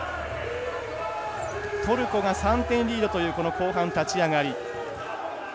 トルコが３点リードという後半の立ち上がり。